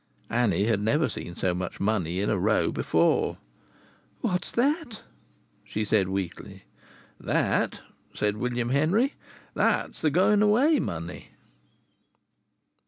Annie had never seen so much money in a row before. "What's that?" she said weakly. "That?" said William Henry. "That's th' going away money."